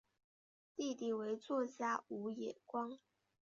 弟弟为作家武野光。